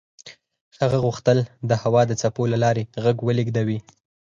هغه غوښتل د هوا د څپو له لارې غږ ولېږدوي.